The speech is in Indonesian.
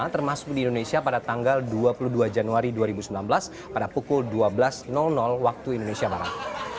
termasuk di indonesia pada tanggal dua puluh dua januari dua ribu sembilan belas pada pukul dua belas waktu indonesia barat